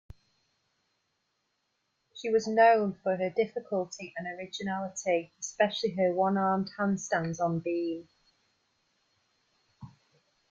She was known for her difficulty and originality, especially her one-armed handstands on beam.